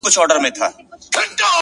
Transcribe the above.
قرآن يې د ښايست ټوله صفات راته وايي!